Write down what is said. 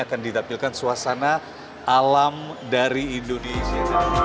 akan ditampilkan suasana alam dari indonesia